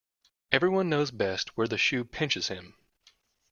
Everyone knows best where the shoe pinches him.